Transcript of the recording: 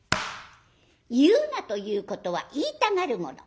言うなということは言いたがるもの。